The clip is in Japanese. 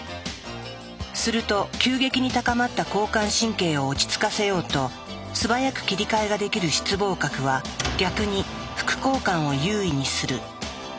すると急激に高まった交感神経を落ち着かせようと素早く切り替えができる室傍核は逆に副交感を優位にする。